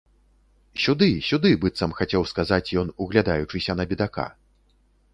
Сюды, сюды, быццам хацеў сказаць ён, углядаючыся на бедака.